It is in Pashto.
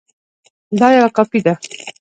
دا یوه کاپي ده